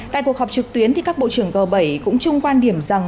tại cuộc họp trực tuyến thì các bộ trưởng g bảy cũng chung quan điểm rằng